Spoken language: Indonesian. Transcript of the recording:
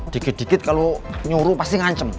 dikit dikit kalau nyuruh pasti ngancem